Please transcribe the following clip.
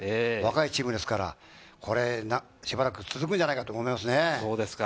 若いチームですからこれはしばらく続くのではないかと思いますね。